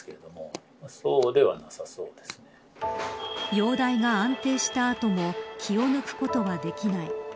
容体が安定した後も気を抜くことはできない。